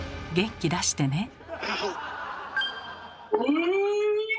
元気出してね。